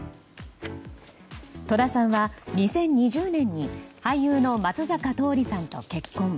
戸田さんは２０２０年に俳優の松坂桃李さんと結婚。